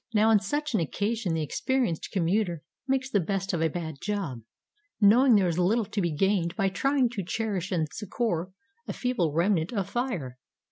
Now, on such an occasion the experienced commuter makes the best of a bad job, knowing there is little to be gained by trying to cherish and succour a feeble remnant of fire.